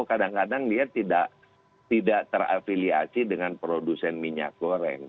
kadang kadang dia tidak terafiliasi dengan produsen minyak goreng